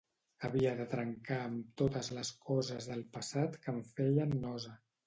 Havia de trencar amb totes les coses del passat que em feien nosa.